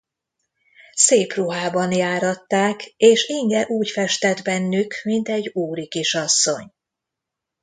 Szép ruhában járatták, és Inge úgy festett bennük, mint egy úri kisasszony.